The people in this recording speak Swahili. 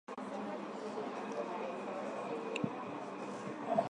Wote kutoka kikosi cha sitini na tano cha jeshi la Rwanda.